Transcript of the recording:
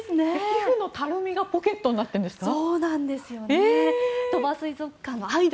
皮膚のたるみがポケットになってるんですか？